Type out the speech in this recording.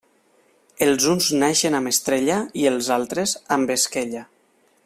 Els uns naixen amb estrella i els altres, amb esquella.